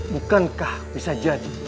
bukankah bisa jadi